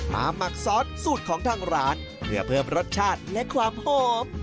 หมักซอสสูตรของทางร้านเพื่อเพิ่มรสชาติและความหอม